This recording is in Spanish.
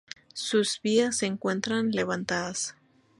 Sus vías se encuentran levantadas.